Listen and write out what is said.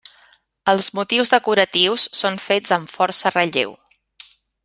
Els motius decoratius són fets amb força relleu.